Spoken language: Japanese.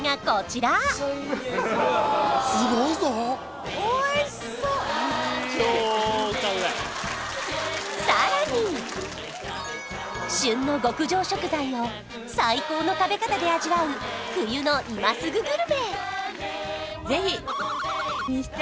こちらさらに旬の極上食材を最高の食べ方で味わう冬の今すぐ